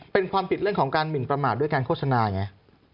เป็นความผิดเรื่องของการหมินประมาทด้วยการโฆษณาไง